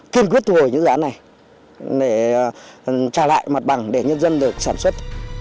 kiên quyết thu hồi những dự án này để trả lại mặt bằng để nhân dân được sản xuất